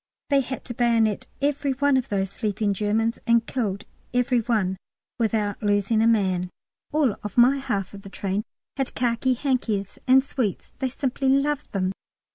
They had to bayonet every one of those sleeping Germans, and killed every one without losing a man. All my half of the train had khaki hankies and sweets; they simply loved them.